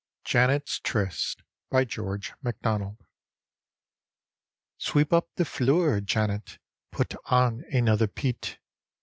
JANET'S TRYST : georcb macdonald " Sweep up the flure, Janet, Put on anither peat.